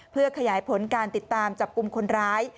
เพื่อขยายผลการติดตามจับกลุ่มคนร้าย